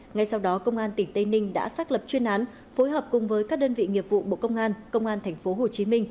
ngay sau đó công an tỉnh tây ninh đã xác lập chuyên án phối hợp cùng với các đơn vị nghiệp vụ bộ công an công an tp hcm